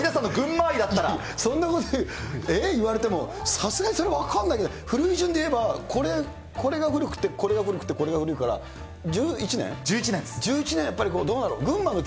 そんなこと言われても、さすがにそれは分かんないけど、古い順で言えば、これが古くて、これが古くて、これが古いから、１１年？